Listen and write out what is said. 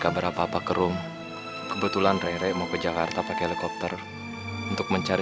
kabar apa apa ke room kebetulan rere mau ke jakarta pakai helikopter untuk mencari